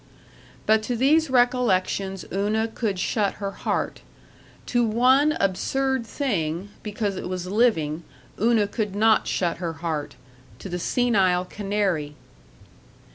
But to these recollections Una could shut her heart. To one absurd thing, because it was living, Una could not shut her heart to the senile canary.